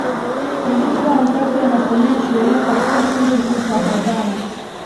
Ilikuwa wakati anasomea sheria katika Chuo Kikuu cha Havana